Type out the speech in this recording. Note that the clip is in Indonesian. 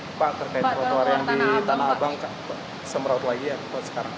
pak terkait ruang ruang di tanah abang semraut lagi ya buat sekarang